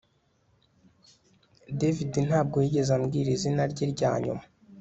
David ntabwo yigeze ambwira izina rye ryanyuma